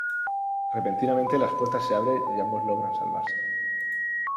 Repentinamente las puertas se abren y ambos logran salvarse.